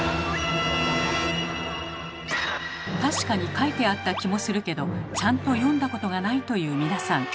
確かに書いてあった気もするけどちゃんと読んだことがないという皆さん。